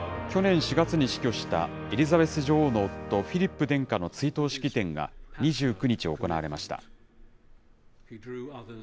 去年４月に死去したエリザベス女王の夫、フィリップ殿下の追悼式典が２９日行われました。